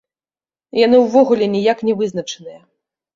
Яны ўвогуле ніяк не вызначаныя!